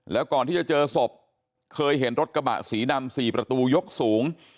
แล้วก่อนที่จะเจอศพเคยเห็นรถกระบะสีดำ๔ประตูยกสูง